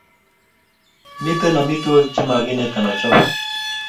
mito amitwigik che makinetan achop